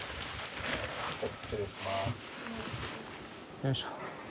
よいしょ。